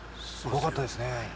怖かったですね。